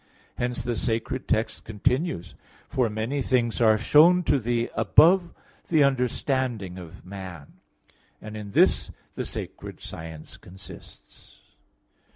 Hence the sacred text continues, "For many things are shown to thee above the understanding of man" (Ecclus. 3:25). And in this, the sacred science consists.